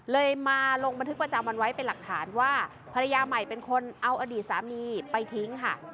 เลยมาลงบันทึกประจำวันไว้เป็นหลักฐานว่าภรรยาใหม่เป็นคนเอาอดีตสามีไปทิ้งค่ะ